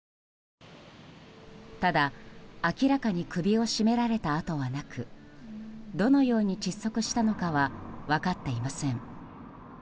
ただ、明らかに首を絞められた跡はなくどのように窒息したのかは分かっていません。